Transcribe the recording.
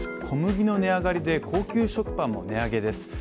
小麦の値上がりで高級食パンも値上げです。